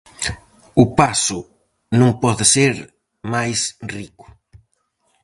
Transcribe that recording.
O paso non pode ser mais rico.